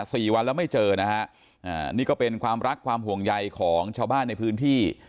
สี่วันแล้วไม่เจอนะฮะอ่านี่ก็เป็นความรักความห่วงใยของชาวบ้านในพื้นที่